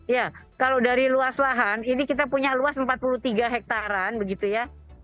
ya kalau dari luas lahan ini kita punya luas empat puluh tiga hektaran begitu ya